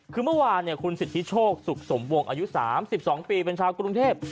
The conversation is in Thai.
คือเมื่อวานคุณสิทธิโชคสุขสมวงอายุ๓๒ปีเป็นชาวกรุงเทพ